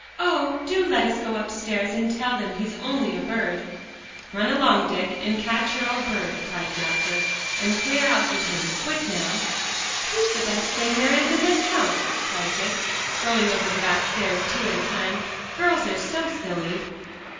"Oh! do let us go upstairs, and tell them he's only a bird." "Run along, Dick, and catch your old bird," cried Jasper, "and clear out with him quick now!" "He's the best thing there is in this house," cried Dick, going over the back stairs two at a time. "Girls are so silly."